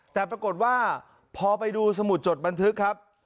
แต่ปรากฏว่าพอไปดูสมุดจดบันทึกครับ